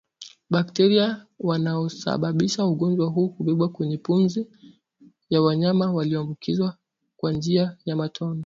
Bakteria wanaosababisha ugonjwa huu hubebwa kwenye pumzi ya wanyama walioambukizwa kwa njia ya matone